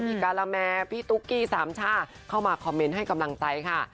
การาแมพี่ตุ๊กกี้สามช่าเข้ามาคอมเมนต์ให้กำลังใจค่ะ